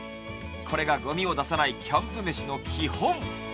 これがごみを出さないキャンプ飯の基本。